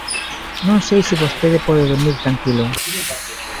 Non sei se vostede pode durmir tranquilo.